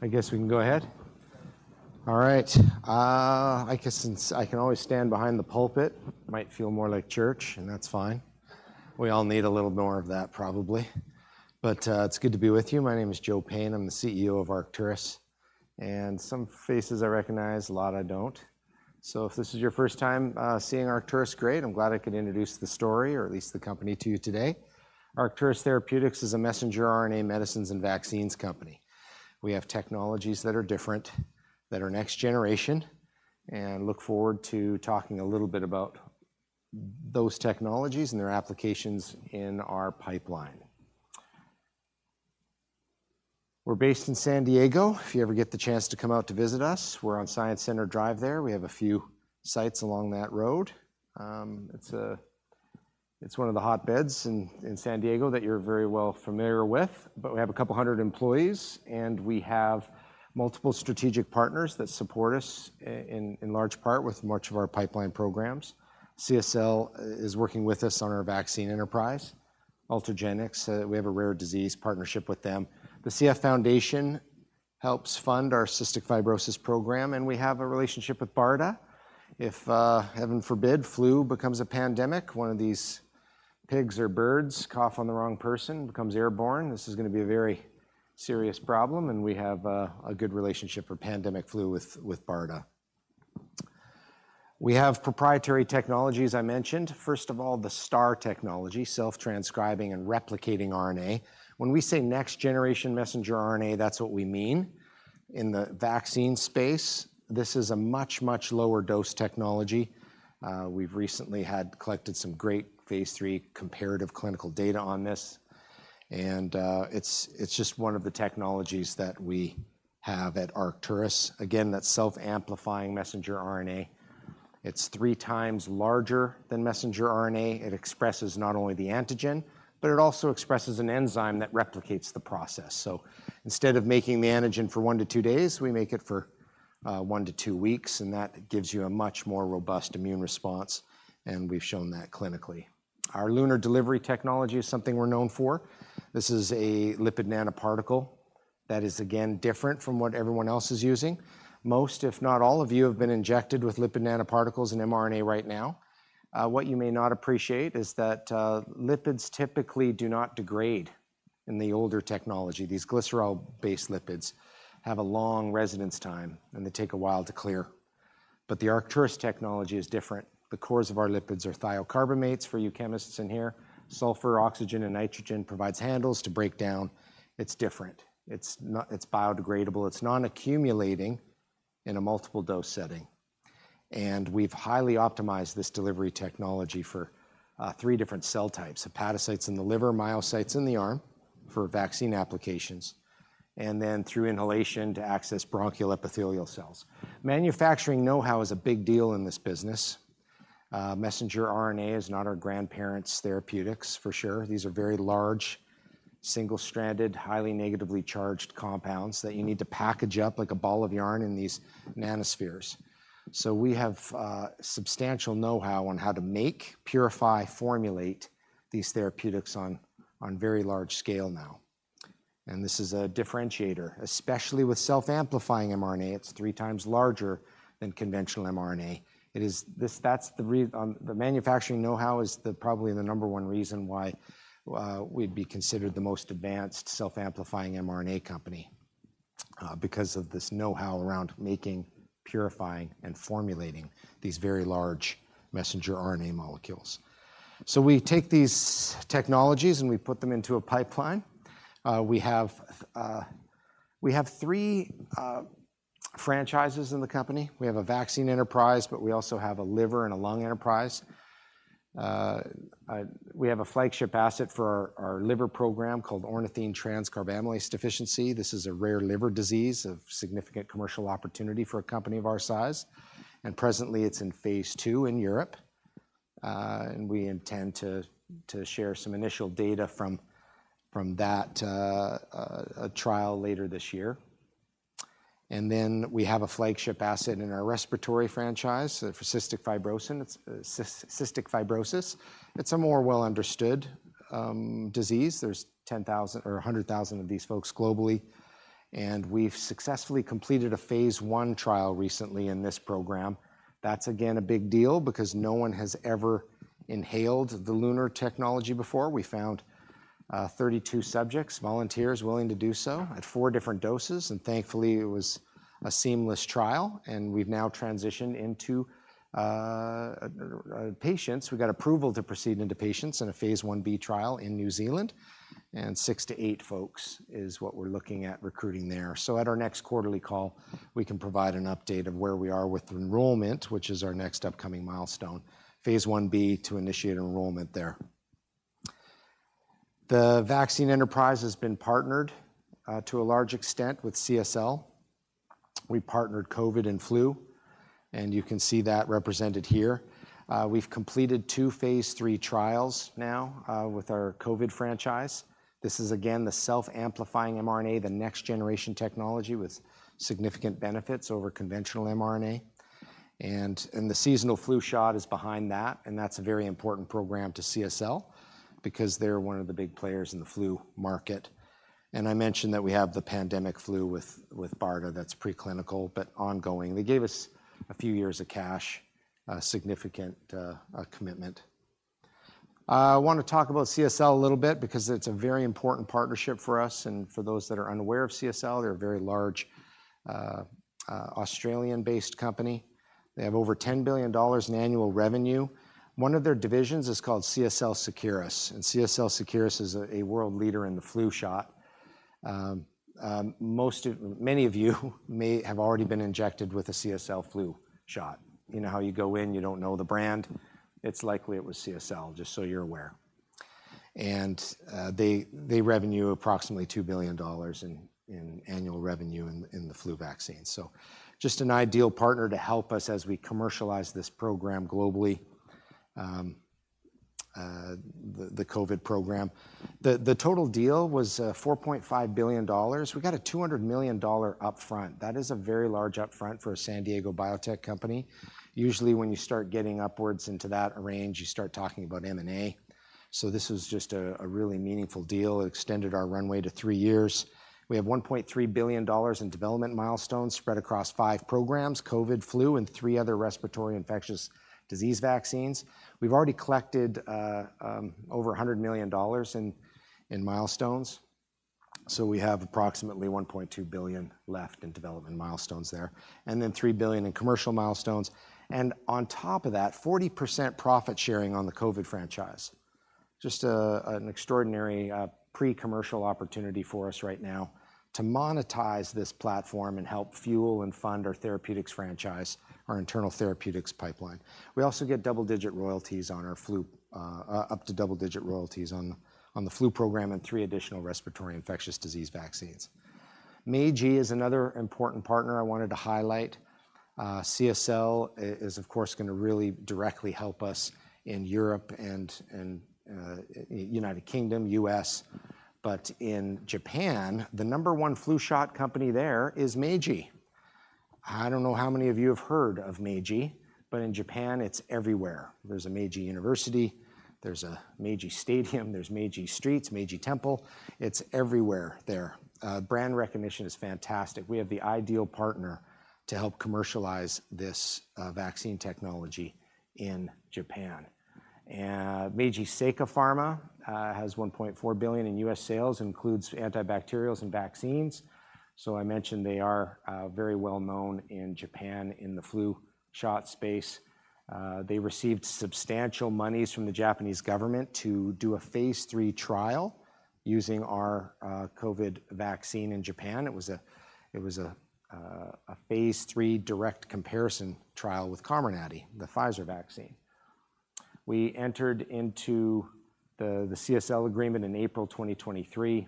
I guess we can go ahead? All right, I guess since I can always stand behind the pulpit, might feel more like church, and that's fine. We all need a little more of that, probably. But, it's good to be with you. My name is Joe Payne. I'm the CEO of Arcturus, and some faces I recognize, a lot I don't. So if this is your first time, seeing Arcturus, great! I'm glad I could introduce the story or at least the company to you today. Arcturus Therapeutics is a messenger RNA medicines and vaccines company. We have technologies that are different, that are next generation, and look forward to talking a little bit about those technologies and their applications in our pipeline. We're based in San Diego. If you ever get the chance to come out to visit us, we're on Science Center Drive there. We have a few sites along that road. It's a, it's one of the hotbeds in, in San Diego that you're very well familiar with, but we have a couple hundred employees, and we have multiple strategic partners that support us in large part with much of our pipeline programs. CSL is working with us on our vaccine enterprise. Ultragenyx, we have a rare disease partnership with them. The CF Foundation helps fund our cystic fibrosis program, and we have a relationship with BARDA. If, heaven forbid, flu becomes a pandemic, one of these pigs or birds cough on the wrong person, becomes airborne, this is gonna be a very serious problem, and we have a good relationship for pandemic flu with BARDA. We have proprietary technologies, I mentioned. First of all, the STARR technology, self-transcribing and replicating RNA. When we say next-generation messenger RNA, that's what we mean. In the vaccine space, this is a much, much lower dose technology. We've recently had collected some great phase III comparative clinical data on this, and it's just one of the technologies that we have at Arcturus. Again, that's self-amplifying messenger RNA. It's three times larger than messenger RNA. It expresses not only the antigen, but it also expresses an enzyme that replicates the process. So instead of making the antigen for one to two days, we make it for one to two weeks, and that gives you a much more robust immune response, and we've shown that clinically. Our LUNAR delivery technology is something we're known for. This is a lipid nanoparticle that is, again, different from what everyone else is using. Most, if not all of you, have been injected with lipid nanoparticles and mRNA right now. What you may not appreciate is that, lipids typically do not degrade in the older technology. These glycerol-based lipids have a long residence time, and they take a while to clear. But the Arcturus technology is different. The cores of our lipids are thiocarbamates, for you chemists in here. Sulfur, oxygen, and nitrogen provides handles to break down. It's different. It's biodegradable, it's non-accumulating in a multiple-dose setting, and we've highly optimized this delivery technology for three different cell types: hepatocytes in the liver, myocytes in the arm for vaccine applications, and then through inhalation to access bronchial epithelial cells. Manufacturing know-how is a big deal in this business. Messenger RNA is not our grandparents' therapeutics, for sure. These are very large, single-stranded, highly negatively charged compounds that you need to package up like a ball of yarn in these nanospheres. So we have substantial know-how on how to make, purify, formulate these therapeutics on very large scale now, and this is a differentiator. Especially with self-amplifying mRNA, it's 3 times larger than conventional mRNA. The manufacturing know-how is probably the number one reason why we'd be considered the most advanced self-amplifying mRNA company because of this know-how around making, purifying, and formulating these very large messenger RNA molecules. So we take these technologies, and we put them into a pipeline. We have three franchises in the company. We have a vaccine enterprise, but we also have a liver and a lung enterprise. We have a flagship asset for our liver program called ornithine transcarbamylase deficiency. This is a rare liver disease of significant commercial opportunity for a company of our size, and presently, it's in phase II in Europe. And we intend to share some initial data from that trial later this year. And then we have a flagship asset in our respiratory franchise for cystic fibrosis. It's a more well-understood disease. There's 10,000 or 100,000 of these folks globally, and we've successfully completed a phase I trial recently in this program. That's, again, a big deal because no one has ever inhaled the LUNAR technology before. We found 32 subjects, volunteers willing to do so at four different doses, and thankfully, it was a seamless trial, and we've now transitioned into patients. We got approval to proceed into patients in a phase I-B trial in New Zealand, and 6-8 folks is what we're looking at recruiting there. So at our next quarterly call, we can provide an update of where we are with enrollment, which is our next upcoming milestone, phase I-B, to initiate enrollment there. The vaccine enterprise has been partnered to a large extent with CSL. We partnered COVID and flu, and you can see that represented here. We've completed 2 phase III trials now with our COVID franchise. This is, again, the self-amplifying mRNA, the next-generation technology with significant benefits over conventional mRNA. And the seasonal flu shot is behind that, and that's a very important program to CSL, because they're one of the big players in the flu market. I mentioned that we have the pandemic flu with BARDA that's preclinical, but ongoing. They gave us a few years of cash, a significant commitment. I want to talk about CSL a little bit because it's a very important partnership for us, and for those that are unaware of CSL, they're a very large Australian-based company. They have over $10 billion in annual revenue. One of their divisions is called CSL Seqirus, and CSL Seqirus is a world leader in the flu shot. Many of you may have already been injected with a CSL flu shot. You know how you go in, you don't know the brand? It's likely it was CSL, just so you're aware. And they revenue approximately $2 billion in annual revenue in the flu vaccine. So just an ideal partner to help us as we commercialize this program globally, the COVID program. The total deal was $4.5 billion. We got a $200 million upfront. That is a very large upfront for a San Diego biotech company. Usually, when you start getting upwards into that range, you start talking about M&A. So this was just a really meaningful deal. It extended our runway to three years. We have $1.3 billion in development milestones spread across five programs: COVID, flu, and three other respiratory infectious disease vaccines. We've already collected over $100 million in milestones, so we have approximately $1.2 billion left in development milestones there, and then $3 billion in commercial milestones. And on top of that, 40% profit sharing on the COVID franchise. Just an extraordinary pre-commercial opportunity for us right now to monetize this platform and help fuel and fund our therapeutics franchise, our internal therapeutics pipeline. We also get double-digit royalties on our flu, up to double-digit royalties on the flu program and three additional respiratory infectious disease vaccines. Meiji is another important partner I wanted to highlight. CSL is, of course, going to really directly help us in Europe and United Kingdom, U.S. But in Japan, the number one flu shot company there is Meiji. I don't know how many of you have heard of Meiji, but in Japan, it's everywhere. There's a Meiji University, there's a Meiji Stadium, there's Meiji Streets, Meiji Temple. It's everywhere there. Brand recognition is fantastic. We have the ideal partner to help commercialize this vaccine technology in Japan. Meiji Seika Pharma has $1.4 billion in U.S. sales, includes antibacterials and vaccines. So I mentioned they are very well known in Japan in the flu shot space. They received substantial monies from the Japanese government to do a phase III trial using our COVID vaccine in Japan. It was a phase III direct comparison trial with Comirnaty, the Pfizer vaccine. We entered into the CSL agreement in April 2023,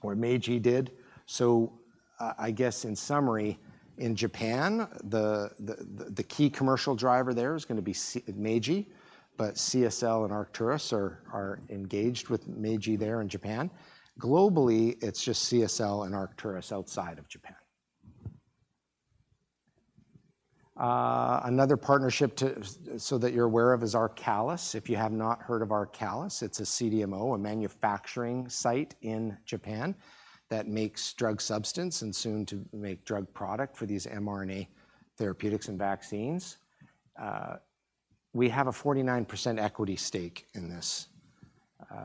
or Meiji did. So I guess, in summary, in Japan, the key commercial driver there is gonna be Meiji, but CSL and Arcturus are engaged with Meiji there in Japan. Globally, it's just CSL and Arcturus outside of Japan. Another partnership, so that you're aware of, is ARCALIS. If you have not heard of Arcalis, it's a CDMO, a manufacturing site in Japan that makes drug substance and soon to make drug product for these mRNA therapeutics and vaccines. We have a 49%t equity stake in this.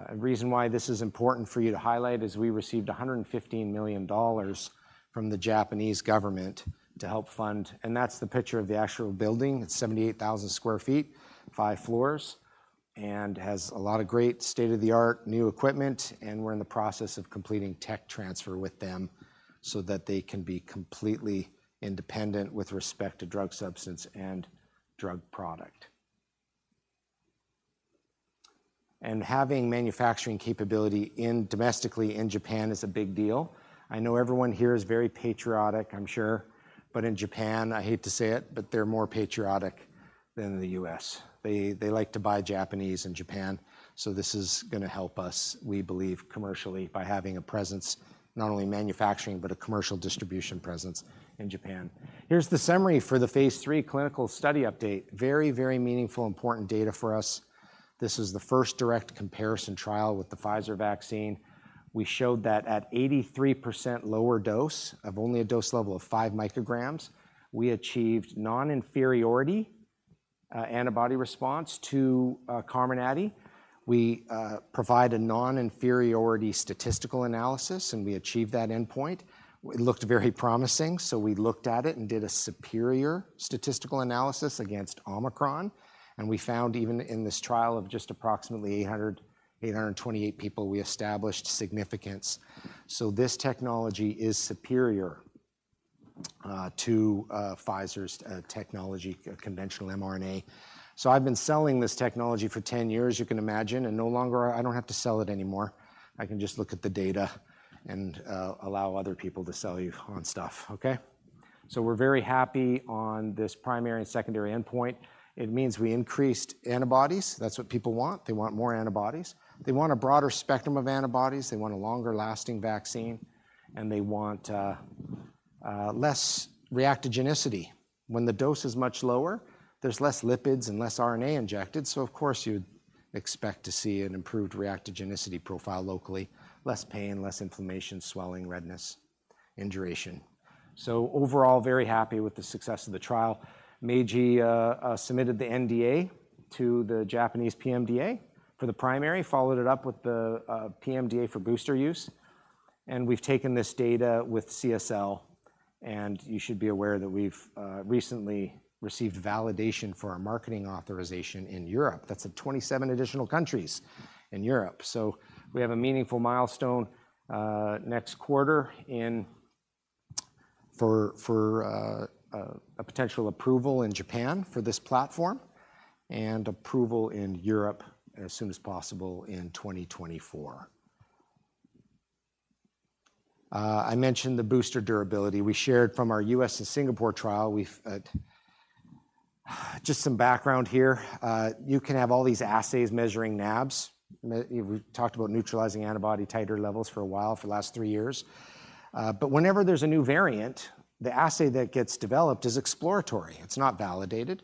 A reason why this is important for you to highlight is we received $115 million from the Japanese government to help fund... And that's the picture of the actual building. It's 78,000 sq ft, 5 floors, and has a lot of great state-of-the-art new equipment, and we're in the process of completing tech transfer with them so that they can be completely independent with respect to drug substance and drug product. And having manufacturing capability in domestically in Japan is a big deal. I know everyone here is very patriotic, I'm sure, but in Japan, I hate to say it, but they're more patriotic than the U.S. They like to buy Japanese in Japan, so this is gonna help us, we believe, commercially, by having a presence, not only manufacturing, but a commercial distribution presence in Japan. Here's the summary for the phase III clinical study update. Very, very meaningful, important data for us. This is the first direct comparison trial with the Pfizer vaccine. We showed that at 83% lower dose, of only a dose level of 5 micrograms, we achieved non-inferiority antibody response to Comirnaty. We provide a non-inferiority statistical analysis, and we achieved that endpoint. It looked very promising, so we looked at it and did a superior statistical analysis against Omicron, and we found even in this trial of just approximately 828 people, we established significance. So this technology is superior to Pfizer's technology, conventional mRNA. So I've been selling this technology for 10 years, you can imagine, and no longer... I don't have to sell it anymore. I can just look at the data and allow other people to sell you on stuff. Okay? So we're very happy on this primary and secondary endpoint. It means we increased antibodies. That's what people want. They want more antibodies. They want a broader spectrum of antibodies. They want a longer-lasting vaccine.... and they want less reactogenicity. When the dose is much lower, there's less lipids and less RNA injected, so of course, you'd expect to see an improved reactogenicity profile locally: less pain, less inflammation, swelling, redness, induration. So overall, very happy with the success of the trial. Meiji submitted the NDA to the Japanese PMDA for the primary, followed it up with the PMDA for booster use, and we've taken this data with CSL, and you should be aware that we've recently received validation for our marketing authorization in Europe. That's in 27 additional countries in Europe. So we have a meaningful milestone next quarter for a potential approval in Japan for this platform and approval in Europe as soon as possible in 2024. I mentioned the booster durability. We shared from our U.S. and Singapore trial. We've just some background here. You can have all these assays measuring NAbs. We've talked about neutralizing antibody titer levels for a while, for the last three years, but whenever there's a new variant, the assay that gets developed is exploratory. It's not validated,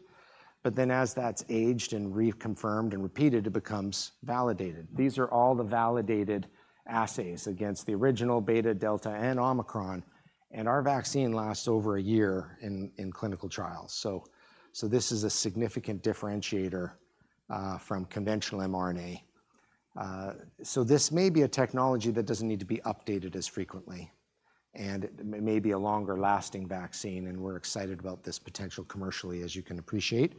but then as that's aged and reconfirmed and repeated, it becomes validated. These are all the validated assays against the original Beta, Delta, and Omicron, and our vaccine lasts over a year in clinical trials. So this is a significant differentiator from conventional mRNA. So this may be a technology that doesn't need to be updated as frequently and may be a longer-lasting vaccine, and we're excited about this potential commercially, as you can appreciate,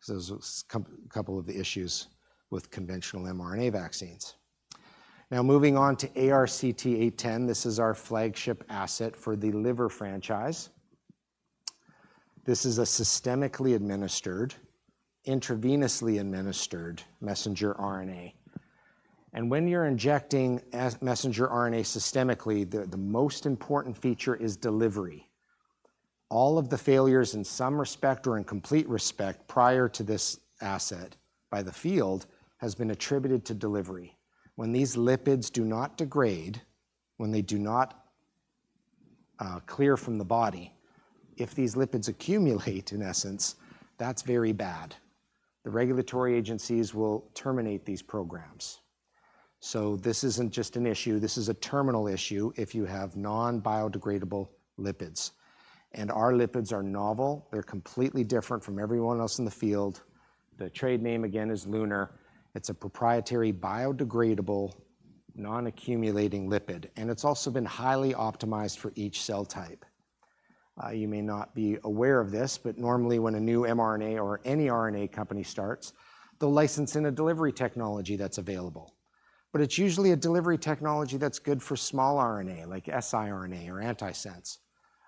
'cause there's a couple of issues with conventional mRNA vaccines. Now, moving on to ARCT-810. This is our flagship asset for the liver franchise. This is a systemically administered, intravenously administered messenger RNA, and when you're injecting as messenger RNA systemically, the most important feature is delivery. All of the failures, in some respect or in complete respect, prior to this asset by the field, has been attributed to delivery. When these lipids do not degrade, when they do not clear from the body, if these lipids accumulate, in essence, that's very bad. The regulatory agencies will terminate these programs. So this isn't just an issue, this is a terminal issue if you have non-biodegradable lipids, and our lipids are novel. They're completely different from everyone else in the field. The trade name, again, is LUNAR. It's a proprietary, biodegradable, non-accumulating lipid, and it's also been highly optimized for each cell type. You may not be aware of this, but normally, when a new mRNA or any RNA company starts, they'll license in a delivery technology that's available. But it's usually a delivery technology that's good for small RNA, like siRNA or antisense,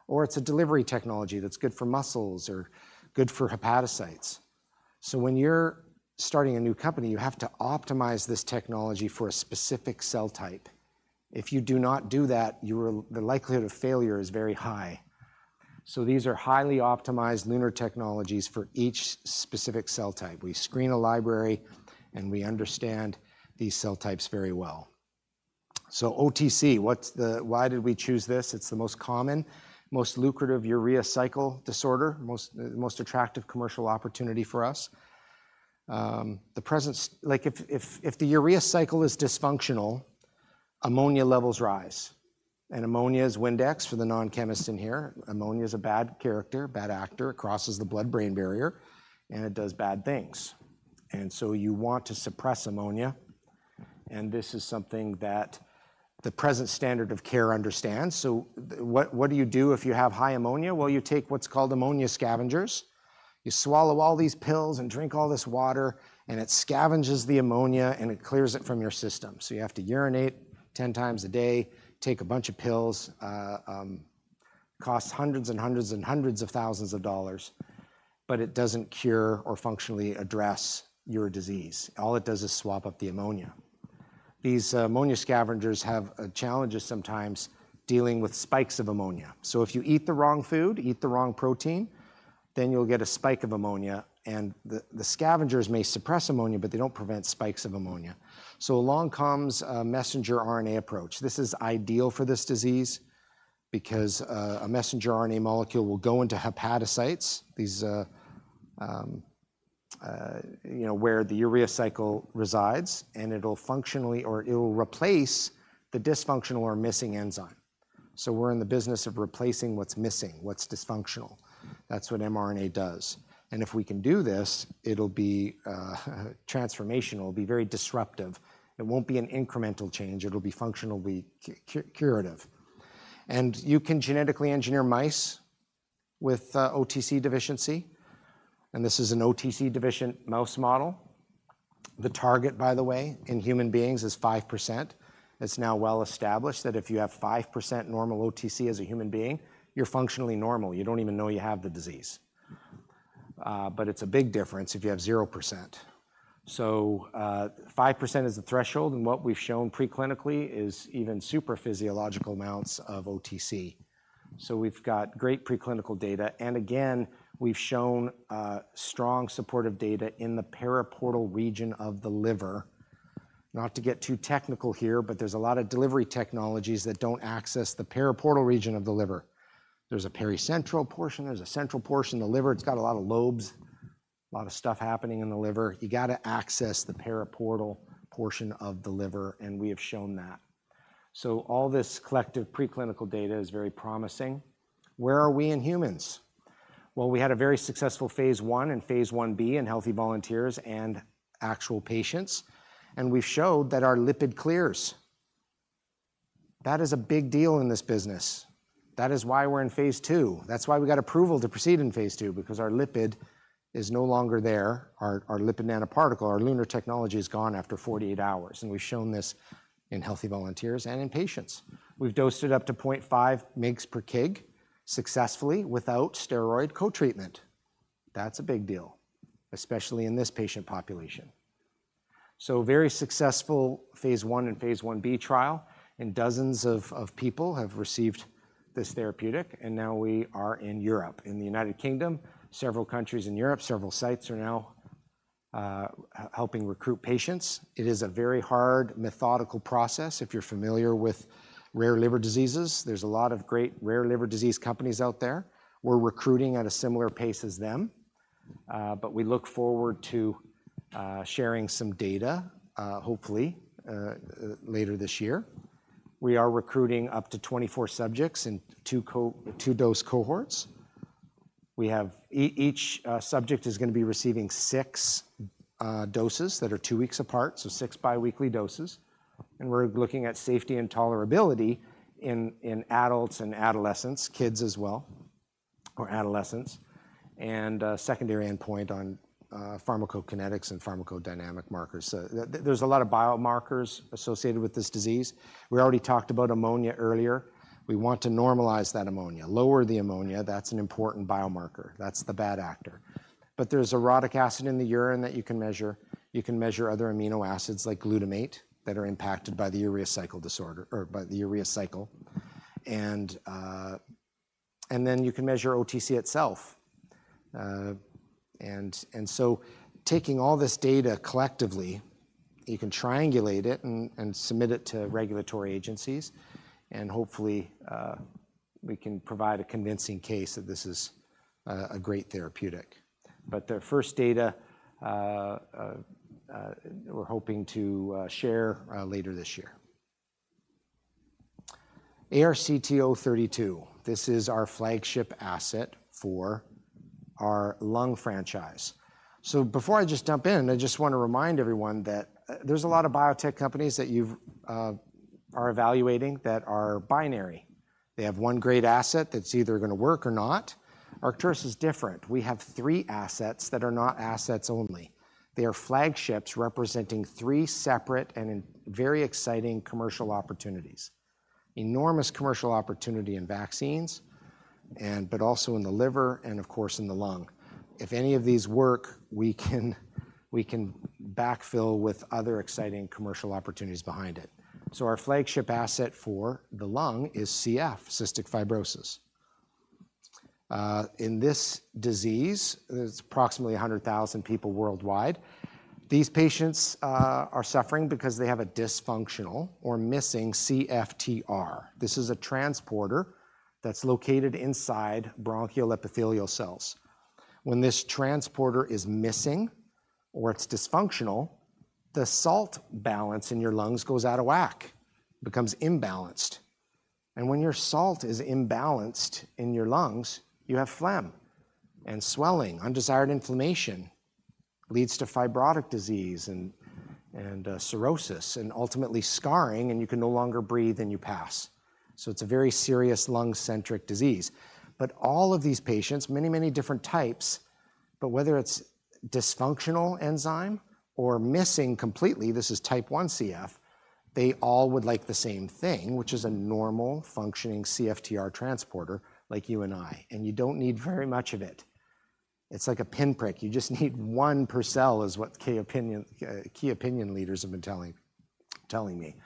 or it's a delivery technology that's good for muscles or good for hepatocytes. So when you're starting a new company, you have to optimize this technology for a specific cell type. If you do not do that, the likelihood of failure is very high. So these are highly optimized LUNAR technologies for each specific cell type. We screen a library, and we understand these cell types very well. So OTC, what's the— Why did we choose this? It's the most common, most lucrative urea cycle disorder, the most attractive commercial opportunity for us. The presence... Like, if the urea cycle is dysfunctional, ammonia levels rise, and ammonia is Windex for the non-chemists in here. Ammonia is a bad character, a bad actor, crosses the blood-brain barrier, and it does bad things. So you want to suppress ammonia, and this is something that the present standard of care understands. So what do you do if you have high ammonia? Well, you take what's called ammonia scavengers. You swallow all these pills and drink all this water, and it scavenges the ammonia, and it clears it from your system. So you have to urinate 10 times a day, take a bunch of pills, costs $hundreds and hundreds and hundreds of thousands, but it doesn't cure or functionally address your disease. All it does is soak up the ammonia. These ammonia scavengers have challenges sometimes dealing with spikes of ammonia. So if you eat the wrong food, eat the wrong protein, then you'll get a spike of ammonia, and the scavengers may suppress ammonia, but they don't prevent spikes of ammonia. So along comes a messenger RNA approach. This is ideal for this disease because a messenger RNA molecule will go into hepatocytes, these you know where the urea cycle resides, and it'll functionally or it'll replace the dysfunctional or missing enzyme. So we're in the business of replacing what's missing, what's dysfunctional. That's what mRNA does, and if we can do this, it'll be transformational. It'll be very disruptive. It won't be an incremental change. It'll be functionally curative. And you can genetically engineer mice with OTC deficiency, and this is an OTC deficient mouse model. The target, by the way, in human beings is 5%. It's now well established that if you have 5% normal OTC as a human being, you're functionally normal. You don't even know you have the disease. But it's a big difference if you have 0%. So, 5% is the threshold, and what we've shown preclinically is even super physiological amounts of OTC. So we've got great preclinical data, and again, we've shown strong supportive data in the periportal region of the liver. Not to get too technical here, but there's a lot of delivery technologies that don't access the periportal region of the liver. There's a pericentral portion, there's a central portion of the liver. It's got a lot of lobes, a lot of stuff happening in the liver. You got to access the periportal region of the liver, and we have shown that. So all this collective preclinical data is very promising. Where are we in humans? Well, we had a very successful phase I and phase I-B in healthy volunteers and actual patients, and we've showed that our lipid clears. That is a big deal in this business. That is why we're in phase II. That's why we got approval to proceed in phase II, because our lipid is no longer there. Our lipid nanoparticle, our LUNAR technology, is gone after 48 hours, and we've shown this in healthy volunteers and in patients. We've dosed it up to 0.5 mg per kg successfully without steroid co-treatment. That's a big deal, especially in this patient population. So very successful phase I and phase I-B trial, and dozens of people have received this therapeutic, and now we are in Europe, in the United Kingdom. Several countries in Europe, several sites are now helping recruit patients. It is a very hard, methodical process. If you're familiar with rare liver diseases, there's a lot of great rare liver disease companies out there. We're recruiting at a similar pace as them, but we look forward to sharing some data, hopefully, later this year. We are recruiting up to 24 subjects in two dose cohorts. We have each subject is going to be receiving six doses that are two weeks apart, so six biweekly doses, and we're looking at safety and tolerability in adults and adolescents, kids as well, or adolescents, and a secondary endpoint on pharmacokinetics and pharmacodynamic markers. So there's a lot of biomarkers associated with this disease. We already talked about ammonia earlier. We want to normalize that ammonia, lower the ammonia. That's an important biomarker. That's the bad actor. But there's orotic acid in the urine that you can measure. You can measure other amino acids, like glutamate, that are impacted by the urea cycle disorder or by the urea cycle. And then you can measure OTC itself. Taking all this data collectively, you can triangulate it and submit it to regulatory agencies, and hopefully we can provide a convincing case that this is a great therapeutic. But the first data we're hoping to share later this year. ARCT-032, this is our flagship asset for our lung franchise. Before I just jump in, I just want to remind everyone that there's a lot of biotech companies that you are evaluating that are binary. They have one great asset that's either going to work or not. Arcturus is different. We have three assets that are not assets only. They are flagships representing three separate and very exciting commercial opportunities. Enormous commercial opportunity in vaccines, but also in the liver, and of course, in the lung. If any of these work, we can backfill with other exciting commercial opportunities behind it. So our flagship asset for the lung is CF, cystic fibrosis. In this disease, there's approximately 100,000 people worldwide. These patients are suffering because they have a dysfunctional or missing CFTR. This is a transporter that's located inside bronchial epithelial cells. When this transporter is missing or it's dysfunctional, the salt balance in your lungs goes out of whack, becomes imbalanced, and when your salt is imbalanced in your lungs, you have phlegm and swelling. Undesired inflammation leads to fibrotic disease and cirrhosis and ultimately scarring, and you can no longer breathe, and you pass. So it's a very serious lung-centric disease. But all of these patients, many, many different types, but whether it's dysfunctional enzyme or missing completely, this is type one CF, they all would like the same thing, which is a normal functioning CFTR transporter like you and I, and you don't need very much of it. It's like a pinprick. You just need one per cell, is what key opinion leaders have been telling me.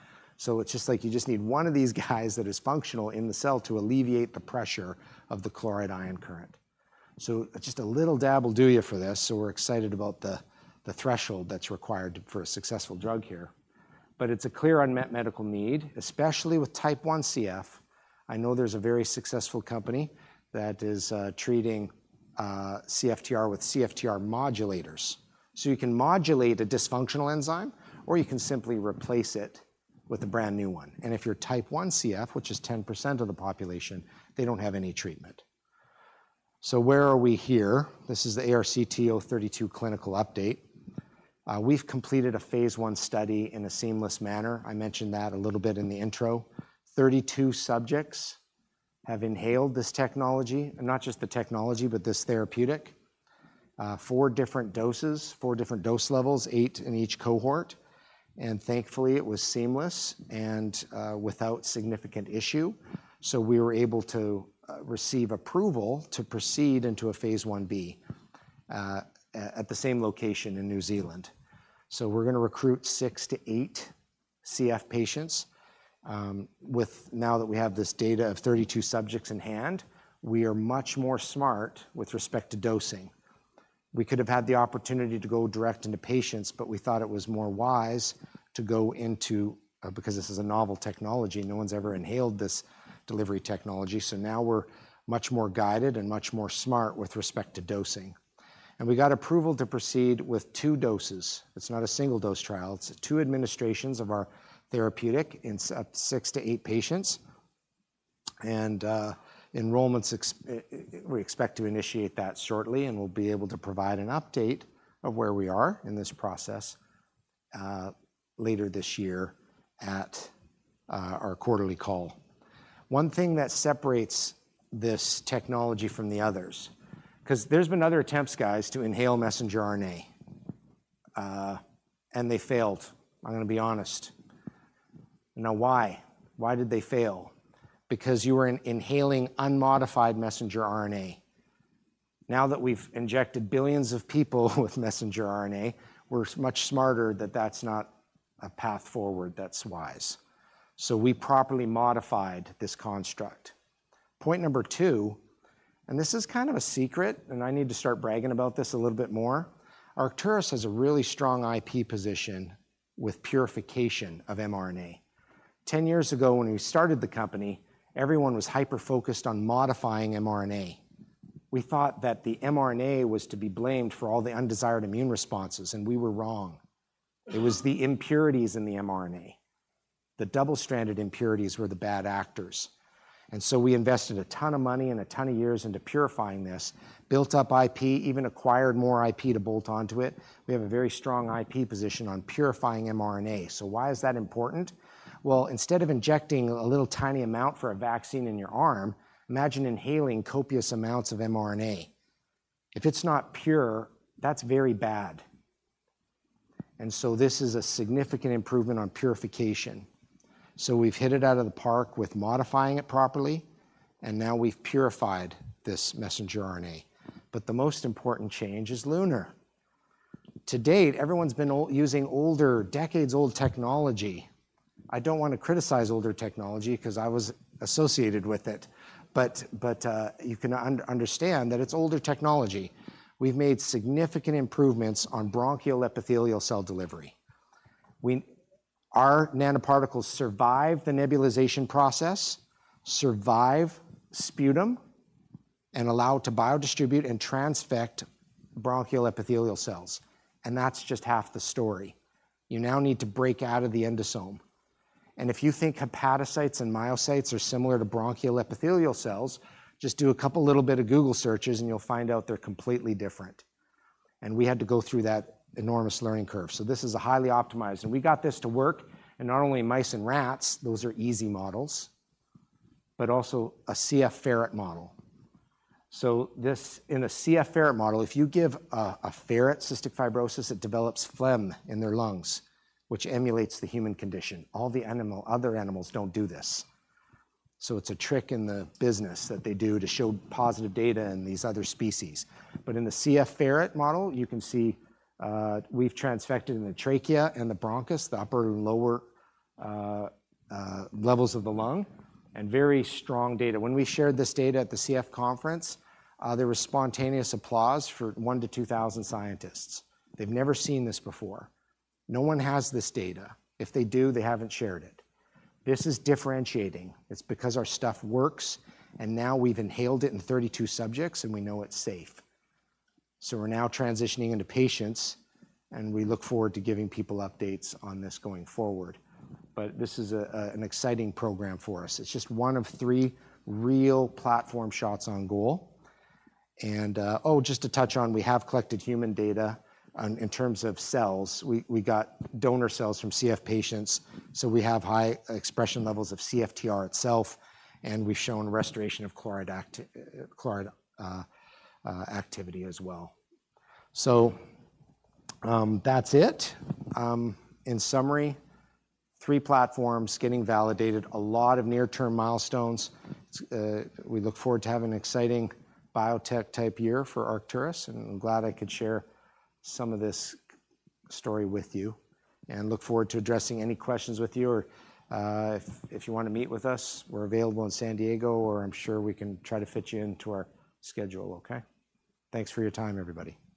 So it's just like you just need one of these guys that is functional in the cell to alleviate the pressure of the chloride ion current. So just a little dab will do you for this, so we're excited about the threshold that's required for a successful drug here. But it's a clear unmet medical need, especially with type one CF. I know there's a very successful company that is treating CFTR with CFTR modulators. So you can modulate a dysfunctional enzyme, or you can simply replace it with a brand-new one, and if you're type 1 CF, which is 10% of the population, they don't have any treatment. So where are we here? This is the ARCT-032 clinical update. We've completed a phase I study in a seamless manner. I mentioned that a little bit in the intro. 32 subjects have inhaled this technology, and not just the technology, but this therapeutic. Four different doses, four different dose levels, eight in each cohort, and thankfully, it was seamless and without significant issue. So we were able to receive approval to proceed into a phase I-B at the same location in New Zealand. So we're gonna recruit 6-8 CF patients, with now that we have this data of 32 subjects in hand, we are much more smart with respect to dosing. We could have had the opportunity to go direct into patients, but we thought it was more wise to go into, because this is a novel technology, no one's ever inhaled this delivery technology, so now we're much more guided and much more smart with respect to dosing. And we got approval to proceed with 2 doses. It's not a single dose trial, it's two administrations of our therapeutic in six to eight patients, and we expect to initiate that shortly, and we'll be able to provide an update of where we are in this process, later this year at our quarterly call. One thing that separates this technology from the others, 'cause there's been other attempts, guys, to inhale messenger RNA, and they failed. I'm gonna be honest. Now, why? Why did they fail? Because you were inhaling unmodified messenger RNA. Now that we've injected billions of people with messenger RNA, we're much smarter than that's not a path forward that's wise. So we properly modified this construct. Point number two, and this is kind of a secret, and I need to start bragging about this a little bit more. Arcturus has a really strong IP position with purification of mRNA. Ten years ago, when we started the company, everyone was hyper-focused on modifying mRNA. We thought that the mRNA was to be blamed for all the undesired immune responses, and we were wrong. It was the impurities in the mRNA. The double-stranded impurities were the bad actors, and so we invested a ton of money and a ton of years into purifying this, built up IP, even acquired more IP to bolt onto it. We have a very strong IP position on purifying mRNA. So why is that important? Well, instead of injecting a little tiny amount for a vaccine in your arm, imagine inhaling copious amounts of mRNA. If it's not pure, that's very bad, and so this is a significant improvement on purification. So we've hit it out of the park with modifying it properly, and now we've purified this messenger RNA. But the most important change is LUNAR. To date, everyone's been using older, decades-old technology. I don't want to criticize older technology 'cause I was associated with it, but, but, you can understand that it's older technology. We've made significant improvements on bronchial epithelial cell delivery. Our nanoparticles survive the nebulization process, survive sputum, and allow it to biodistribute and transfect bronchial epithelial cells, and that's just half the story. You now need to break out of the endosome, and if you think hepatocytes and myocytes are similar to bronchial epithelial cells, just do a couple little bit of Google searches, and you'll find out they're completely different, and we had to go through that enormous learning curve. So this is a highly optimized, and we got this to work not only in mice and rats, those are easy models, but also a CF ferret model. So this, in a CF ferret model, if you give a ferret cystic fibrosis, it develops phlegm in their lungs, which emulates the human condition. All the other animals don't do this. So it's a trick in the business that they do to show positive data in these other species. But in the CF ferret model, you can see, we've transfected in the trachea and the bronchus, the upper and lower levels of the lung, and very strong data. When we shared this data at the CF conference, there was spontaneous applause for 1-2,000 scientists. They've never seen this before. No one has this data. If they do, they haven't shared it. This is differentiating. It's because our stuff works, and now we've inhaled it in 32 subjects, and we know it's safe. So we're now transitioning into patients, and we look forward to giving people updates on this going forward. But this is an exciting program for us. It's just one of three real platform shots on goal, and... Oh, just to touch on, we have collected human data on, in terms of cells. We got donor cells from CF patients, so we have high expression levels of CFTR itself, and we've shown restoration of chloride activity as well. So, that's it. In summary, three platforms getting validated, a lot of near-term milestones. We look forward to having an exciting biotech-type year for Arcturus, and I'm glad I could share some of this story with you, and look forward to addressing any questions with you or, if you wanna meet with us, we're available in San Diego, or I'm sure we can try to fit you into our schedule, okay? Thanks for your time, everybody.